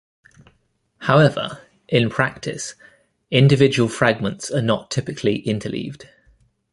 However, in practice, individual fragments are not typically interleaved.